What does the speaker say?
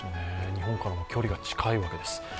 日本からも距離が近いわけです。